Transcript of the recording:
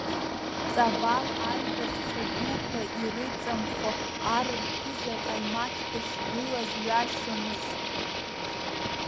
Ҵабал аибашьцәа дуқәа ирыҵамхо ар рԥыза ҟаимаҭ дышгылаз ҩашьомызт.